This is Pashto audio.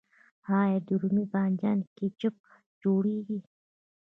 آیا د رومي بانجان کیچپ جوړیږي؟